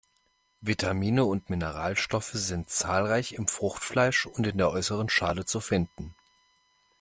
Vitamine und Mineralstoffe sind zahlreich im Fruchtfleisch und in der äußeren Schale zu finden.